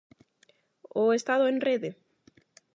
O Estado en rede?